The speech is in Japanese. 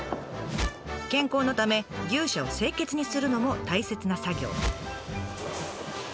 健康のため牛舎を清潔にするのも大切な作業。